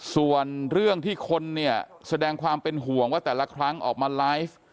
ส่วนเรื่องที่คนเนี่ยแสดงความเป็นห่วงว่าแต่ละครั้งออกมาไลฟ์